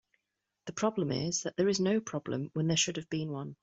The problem is that there is no problem when there should have been one.